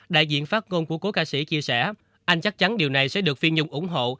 đại diện phát ngôn của cố ca sĩ chia sẻ anh chắc chắn điều này sẽ được phi nhung ủng hộ